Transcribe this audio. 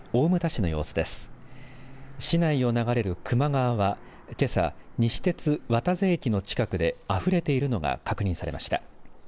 市内を流れる隈川はけさ西鉄渡瀬駅の近くであふれているのが確認されました。